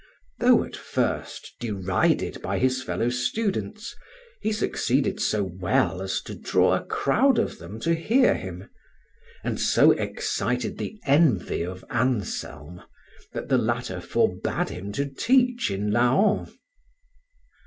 Though at first derided by his fellow students, he succeeded so well as to draw a crowd of them to hear him, and so excited the envy of Anselm that the latter forbade him to teach in Laon.